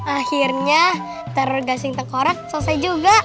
akhirnya tergasing tengkorak selesai juga